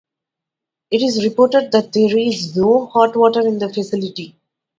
It is reported that there is no hot water in the facility.